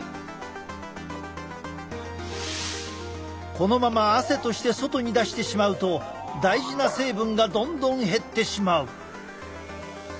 このまま汗として外に出してしまうと大事な成分がどんどん減ってしまう。